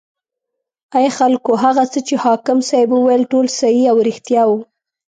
ای خلکو هغه څه چې حاکم صیب وویل ټول صحیح او ریښتیا و.